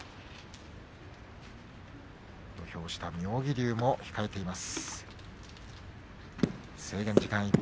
土俵下、妙義龍も控えています。